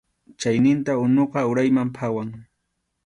Chayninta unuqa urayman phawan.